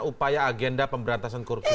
upaya agenda pemberantasan korupsi